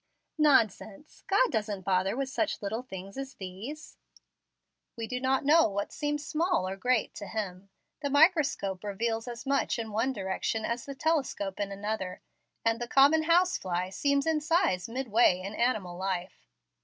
"Nonsense! God doesn't bother with such little things as these." "We do not know what seems small or great to Him. The microscope reveals as much in one direction as the telescope in another, and the common house fly seems in size midway in animal life."